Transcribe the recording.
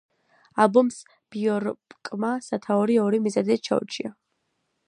ალბომს ბიორკმა სათაური ორი მიზეზით შეურჩია.